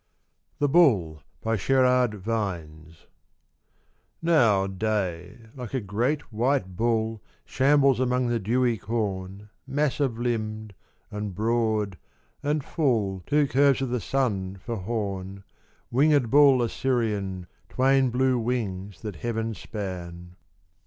68 SHERARD VINES. THE BULL. NOW day, like a great white Bull Shambles among the dewy corn Massive limbed, and broad, and full Two curves of the sun for horn, Winged Bull Assyrian, Twain blue wings that heaven span.